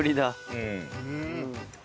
うん。